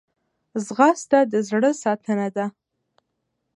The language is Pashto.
ځغاسته د زړه ساتنه ده